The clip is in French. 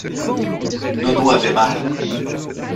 Nono avait mal.